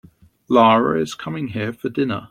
Lara is coming here for dinner.